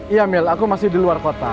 iya mil aku masih di luar kota